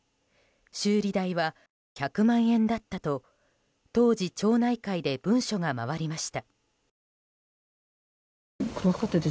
修理代は１００万円だったと当時、町内会で文書が回りました。